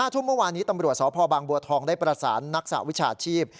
ทุ่มเมื่อวานนี้ตำรวจสพบางบัวทองได้ประสานนักสหวิชาชีพ